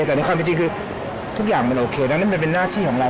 แต่ในความจริงคือทุกอย่างมันโอเคนะนั่นเป็นหน้าชีวิตของเรา